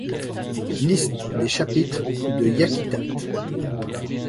Liste des chapitres de Yakitate!!